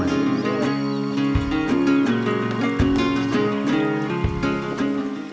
jangan lupa untuk mencoba